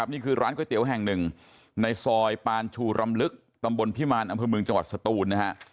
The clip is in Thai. นี่คือร้านก๋วยเตี๋ยวแห่งหนึ่งในซอยปานชูรำลึกตำบลพิมานอมจังหวัดสตูน